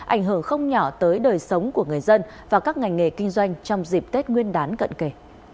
ảnh hưởng không nhỏ tới đời sống của người dân và các ngành nghề kinh doanh trong dịp tết nguyên đán cận kề